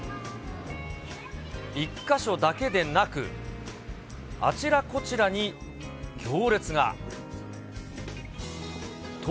１か所だけでなく、あちらこちらに行列が。